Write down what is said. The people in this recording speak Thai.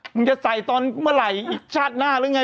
มึงจะใส่ตอนเมื่อไหร่อีกชาติหน้าหรือไง